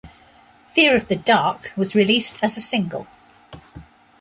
"Fear of the Dark" was released as a single.